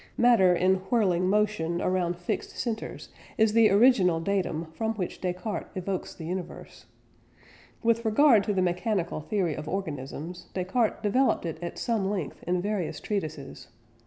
Matter in whirling motion around fixed centres is the original datum from which Descartes evokes the universe. With regard to the mechanical theory of organisms, Descartes developed it at some length in various treatises.